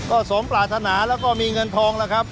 ก็สมปรารถนาแล้วก็มีเงินทองแล้วครับ